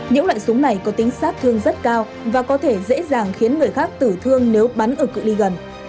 những loại súng này có tính sát thương rất cao và có thể dễ dàng khiến người khác tử thương nếu bắn ở cự li gần